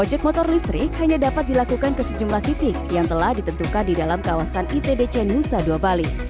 ojek motor listrik hanya dapat dilakukan ke sejumlah titik yang telah ditentukan di dalam kawasan itdc nusa dua bali